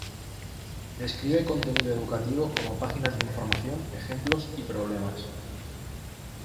Describe contenido educativo como páginas de información, ejemplos, y problemas.